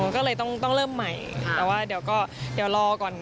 ก็เลยต้องเริ่มใหม่แต่ว่าเดี๋ยวก็เดี๋ยวรอก่อน